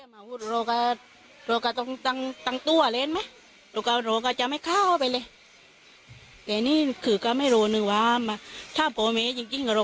น้องจิตโกวัย๑๔ปี